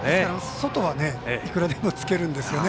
外はいくらでもつけるんですよね。